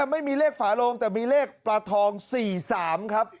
ไม่มีเลขฝาโลงแต่มีเลขปลาทอง๔๓ครับ